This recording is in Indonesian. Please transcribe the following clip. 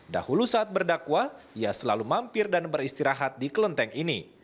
dahulu saat berdakwah ia selalu mampir dan beristirahat di kelenteng ini